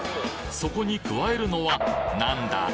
そこに加えるのは何だ？